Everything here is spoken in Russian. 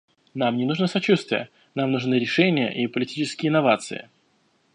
Нам не нужно сочувствие; нам нужны решения и политические новации.